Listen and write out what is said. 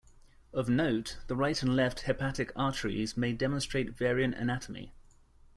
Of note, the right and left hepatic arteries may demonstrate variant anatomy.